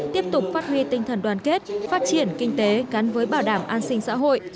tiếp tục phát huy tinh thần đoàn kết phát triển kinh tế gắn với bảo đảm an sinh xã hội